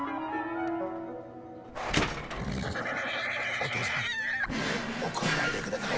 お父さん怒んないでください。